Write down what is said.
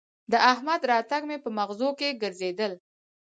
د احمد راتګ مې به مغزو کې ګرځېدل